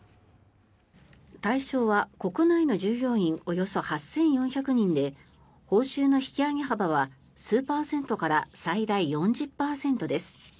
対象は国内の従業員およそ８４００人で報酬の引き上げ幅は数パーセントから最大４０％です。